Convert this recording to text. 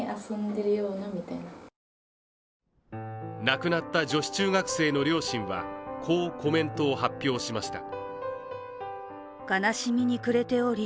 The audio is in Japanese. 亡くなった女子中学生の両親はこうコメントを発表しました。